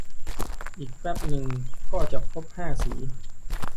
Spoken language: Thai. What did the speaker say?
อีกแป๊บนึงก็จะครบห้าสี